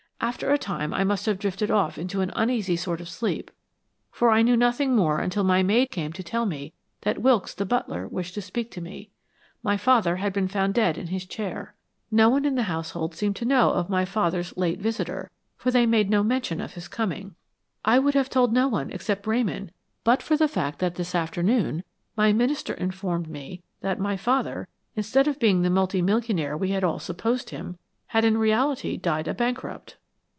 After a time I must have drifted off into an uneasy sort of sleep, for I knew nothing more until my maid came to tell me that Wilkes, the butler, wished to speak to me. My father had been found dead in his chair. No one in the household seemed to know of my father's late visitor, for they made no mention of his coming. I would have told no one, except Ramon, but for the fact that this afternoon my minister informed me that my father, instead of being the multi millionaire we had all supposed him, had in reality died a bankrupt."